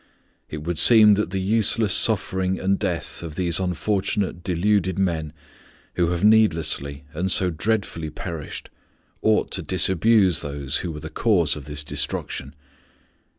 It would seem that the useless suffering and death of these unfortunate deluded men who have needlessly and so dreadfully perished ought to disabuse those who were the cause of this destruction.